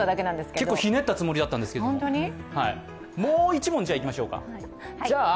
結構ひねったつもりだったんですけども、もう一問いきましょうか。